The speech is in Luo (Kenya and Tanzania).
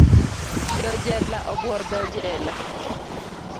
Jo jela obwotho jela.